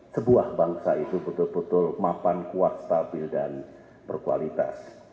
sebuah bangsa itu betul betul mapan kuat stabil dan berkualitas